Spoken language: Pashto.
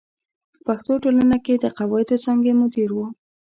په پښتو ټولنه کې د قواعدو د څانګې مدیر و.